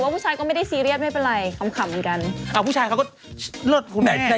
ประโยชน์ทั้งนั้น